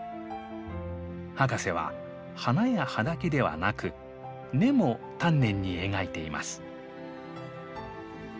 博士は花や葉だけではなく根も丹念に描いています。